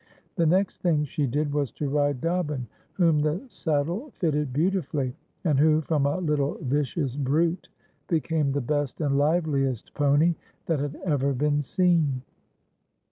The next thing she did was to ride Dobbin, whom the saddle fitted beauti fully, and who, from a little vicious brute, became the best and liveliest pony that had ever been seen.